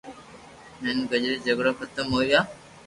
ھين گڄري جگڙا ختم ھويا